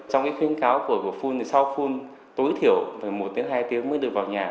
trong khuyên cáo của phun sau phun tối thiểu một hai tiếng mới được vào nhà